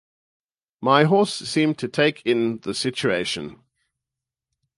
My horse seemed to take in the situation.